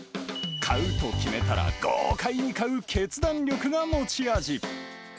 買うと決めたら豪快に買う決断力が持ち味。